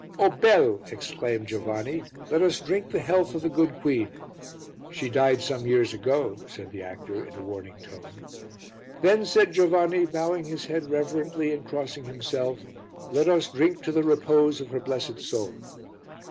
"Oh, bel!" exclaimed Giovanni. "Let us drink the health of the good queen." "She died some years ago," said the actor in a warning tone. "Then," said Giovanni, bowing his head reverently and crossing himself, "let us drink to the repose of her blessed soul."